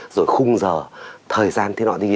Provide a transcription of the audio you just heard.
rồi khung giờ thời gian